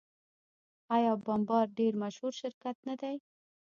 آیا بمبارډیر یو مشهور شرکت نه دی؟